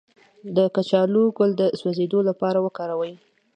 د کچالو ګل د سوځیدو لپاره وکاروئ